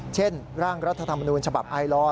เช่นร่างรัฐธรรมนูญฉบับไอลอร์